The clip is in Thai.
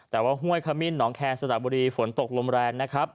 แต่ว่าห้วยขมิ้นหนองแคนสระบุรีฝนตกลมแรงนะครับ